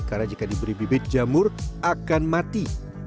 karena jika diberi bibit jamur akan mati